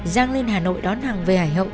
giang lên hà nội đón hằng về hải hậu